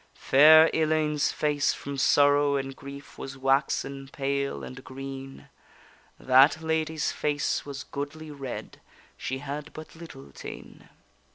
Fair Ellayne's face, from sorrow and grief, Was waxen pale and green: That lady's face was goodly red, She had but little tene.